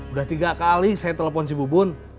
udah tiga kali saya telepon si bubun